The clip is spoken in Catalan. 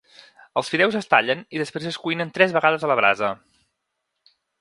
Els fideus es tallen i després es cuinen tres vegades a la brasa.